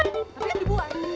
ya gua tapi kan dibuang